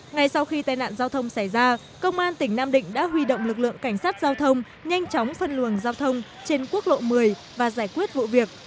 ngay sau khi tai nạn giao thông xảy ra công an tỉnh nam định đã huy động lực lượng cảnh sát giao thông nhanh chóng phân luồng giao thông trên quốc lộ một mươi và giải quyết vụ việc